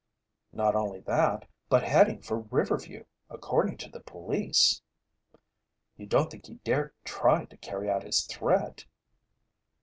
"Not only that, but heading for Riverview, according to the police." "You don't think he'd dare try to carry out his threat?"